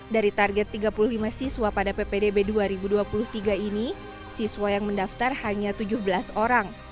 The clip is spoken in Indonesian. dari target tiga puluh lima siswa pada ppdb dua ribu dua puluh tiga ini siswa yang mendaftar hanya tujuh belas orang